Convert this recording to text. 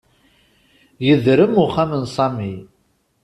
Yedrem uxxam n Sami